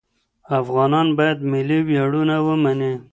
افغانان باید ملي ویاړونه ومني.